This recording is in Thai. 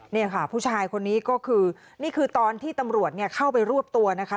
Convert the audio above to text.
นี่ค่ะผู้ชายคนนี้ก็คือนี่คือตอนที่ตำรวจเข้าไปรวบตัวนะคะ